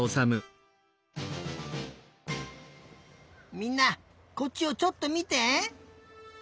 みんなこっちをちょっとみて！